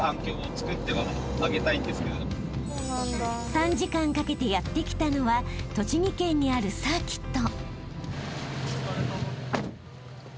［３時間かけてやって来たのは栃木県にあるサーキット］